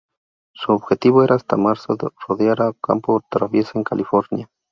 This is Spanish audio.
Su objetivo era hasta marzo rodear a campo traviesa en California.